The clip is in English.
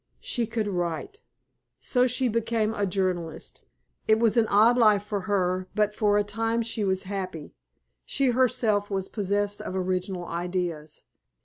She could write. So she became a journalist. "It was an odd life for her, but for a time she was happy. She herself was possessed of original ideas.